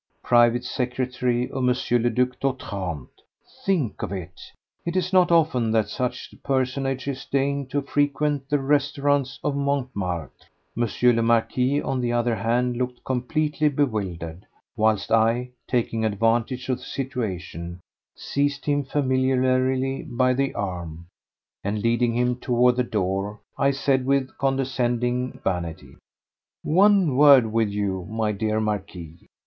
Private secretary of M. le Duc d'Otrante! Think of it! It is not often that such personages deign to frequent the restaurants of Montmartre. M. le Marquis, on the other hand, looked completely bewildered, whilst I, taking advantage of the situation, seized him familiarly by the arm, and leading him toward the door, I said with condescending urbanity: "One word with you, my dear Marquis.